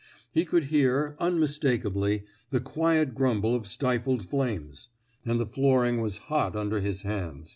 He could hear, unmistakably, the quiet grumble of stifled flames. And the flooring was hot under his hands.